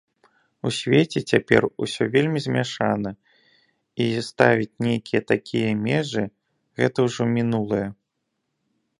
У свеце цяпер усё вельмі змяшана, і ставіць нейкія такія межы, гэта ўжо мінулае.